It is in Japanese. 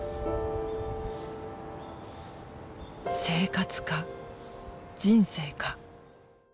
生活か人生か。